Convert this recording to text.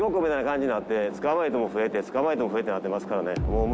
捕まえても増えて捕まえても増えてなってますからね。